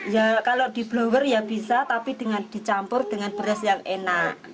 ya kalau di blower ya bisa tapi dicampur dengan beras yang enak